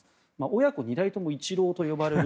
親子２代ともイチローと呼ばれる。